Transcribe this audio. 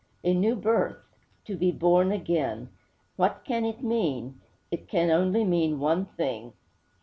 A new birth! To be born again! What can it mean? It can only mean one thing.